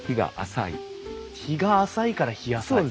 陽が浅いから「ひやさい」！